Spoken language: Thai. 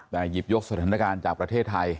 แต่หยิบยกสถานการณ์จากประเทศไทย